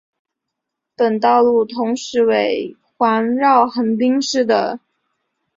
本道路同时为环绕横滨市之横滨环状道路的一部份。